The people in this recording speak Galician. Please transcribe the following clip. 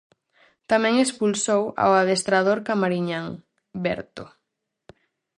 Tamén expulsou ao adestrador camariñán Berto.